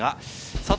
佐藤